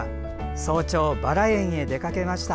早朝、バラ園へ出かけました。